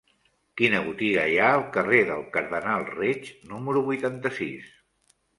Quina botiga hi ha al carrer del Cardenal Reig número vuitanta-sis?